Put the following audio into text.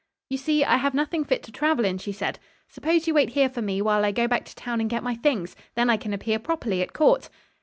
"You see, I have nothing fit to travel in," she said. "Suppose you wait here for me while I go back to town and get my things? then I can appear properly at court."